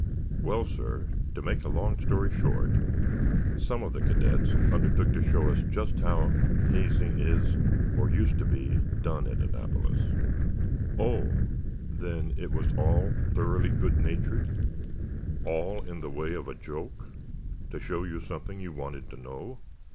Well, sir, to make a long story short, some of the cadets undertook to show us just how hazing is—or used to be—done at Annapolis." "Oh! Then it was all thoroughly good natured, all in the way of a joke, to show you something you wanted to know?"